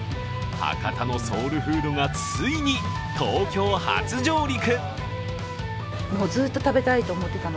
博多のソウルフードがついに東京初上陸。